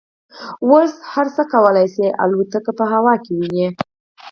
اوس هر څوک کولای شي الوتکې په هوا کې وویني